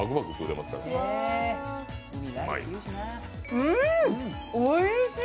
うん、おいしい。